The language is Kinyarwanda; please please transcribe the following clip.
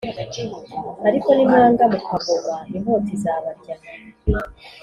Ariko nimwanga mukagoma inkota izabarya